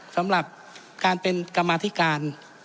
สำหรับการเป็นกรรมาธิการ